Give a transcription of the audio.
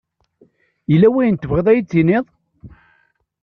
Yella wayen tebɣiḍ ad yi-d-tiniḍ?